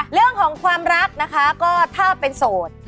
เรื่องของความรักนะคะก็ถ้าเป็นโสด